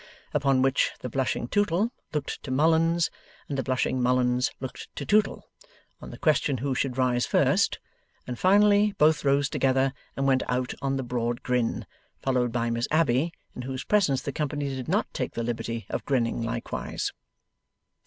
Upon which, the blushing Tootle looked to Mullins, and the blushing Mullins looked to Tootle, on the question who should rise first, and finally both rose together and went out on the broad grin, followed by Miss Abbey; in whose presence the company did not take the liberty of grinning likewise.